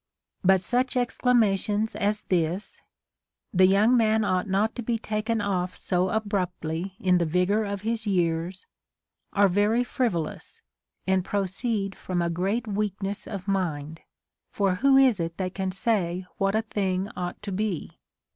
18. But such exclamations as this, " the young man ought not to be taken off so abruptly in the vigor of his years," are very frivolous, and proceed from a great Aveakness of mind ; for Avho is it that can say what a thing ought to bo